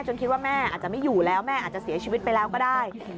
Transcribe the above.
คิดว่าแม่อาจจะไม่อยู่แล้วแม่อาจจะเสียชีวิตไปแล้วก็ได้